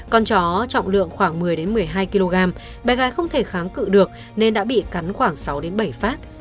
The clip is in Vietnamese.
con chó trọng lượng khoảng một mươi một mươi hai kg bé gái không thể kháng cự được nên đã bị cắn khoảng sáu bảy phát